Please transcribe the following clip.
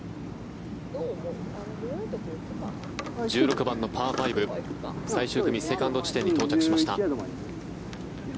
１６番のパー５最終組セカンド地点に到着しました。